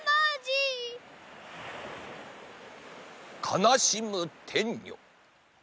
かなしむてんにょ。